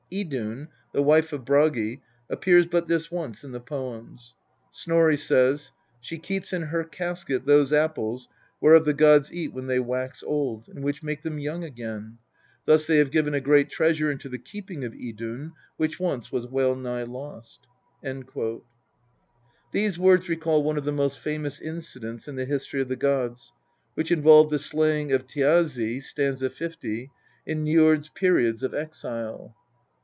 Idun, the wife of Bragi, appears but this once in the poems. Snorri says " She keeps in her casket those apples whereof the gods eat when they wax old, and which make them young again ; thus they have given a great treasure into the keeping of Idun, which once was well nigh lost." These words recall one of the most famous incidents in the history of the gods, which involved the slaying of Thiazi (st. 50) and Njord's periods of exile.